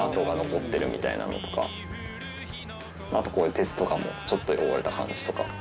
あとこういう鉄とかもちょっと汚れた感じとか。